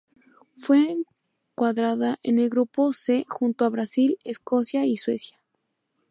Fue encuadrada en el grupo C junto a Brasil, Escocia y Suecia.